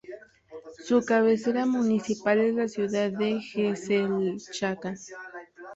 Su cabecera municipal es la ciudad de Hecelchakán.